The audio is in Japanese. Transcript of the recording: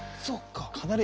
そうか。